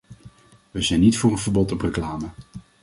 We zijn niet voor een verbod op reclame.